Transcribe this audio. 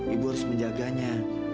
ibu harus menjaganya